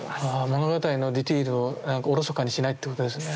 物語のディテールをおろそかにしないってことですね。